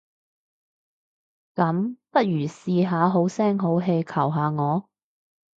噉，不如試下好聲好氣求下我？